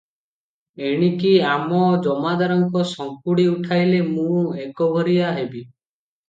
ଏଣିକି ଆଉ ଜମାଦାରଙ୍କ ସଙ୍କୁଡି ଉଠାଇଲେ ମୁଁ ଏକଘରିଆ ହେବି ।